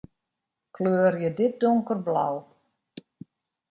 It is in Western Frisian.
Kleurje dit donkerblau.